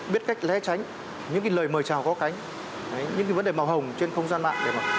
biết cách lé tránh những lời mời chào có cánh những vấn đề màu hồng trên không gian mạng